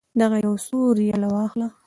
دغه یو څو ریاله واخلئ.